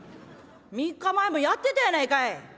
３日前もやってたやないかい！」。